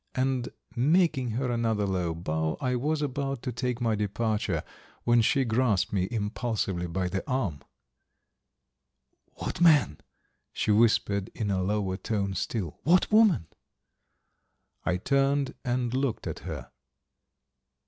And making her another low bow, I was about to take my departure when she grasped me impulsively by the arm. "What man?" she whispered, and in a lower tone still, "What woman?" I turned and looked at her.